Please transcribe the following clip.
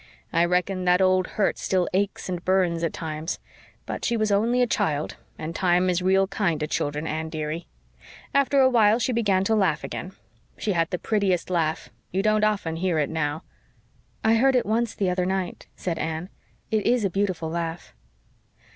I reckon that old hurt still aches and burns at times; but she was only a child and time is real kind to children, Anne, dearie. After a while she began to laugh again she had the prettiest laugh. You don't often hear it now." "I heard it once the other night," said Anne. "It IS a beautiful laugh."